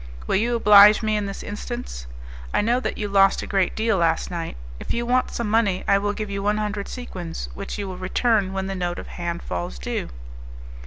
Will you oblige me in this instance? I know that you lost a great deal last night; if you want some money I will give you one hundred sequins, which you will return when the note of hand falls due."